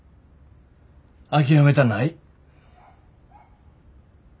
諦めたない。